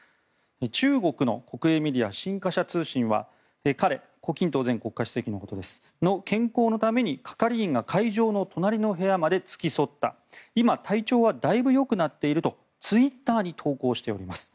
中国の国営メディア新華社通信は彼胡錦涛前国家主席のことですが健康のために係員が会場の隣の部屋まで付き添った今、体調はだいぶよくなっているとツイッターに投稿しております。